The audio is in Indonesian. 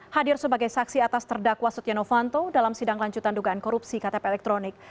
hadir sebagai saksi atas terdakwa setia novanto dalam sidang lanjutan dugaan korupsi ktp elektronik